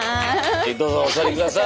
どうぞお座り下さい。